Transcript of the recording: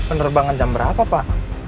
penerbangan jam berapa pak